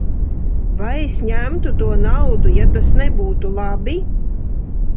Vai es ņemtu to naudu, ja tas nebūtu labi?